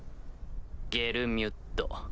ゲルミュッド